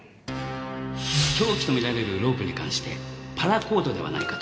凶器と見られるロープに関してパラコードではないかと。